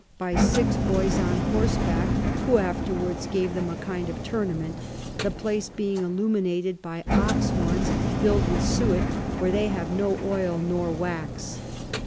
By six Boys on horseback, who afterwards gave them a kind of Tournament, the place being illuminated by Ox Horns fill'd with Suet, for they have no Oil nor Wax.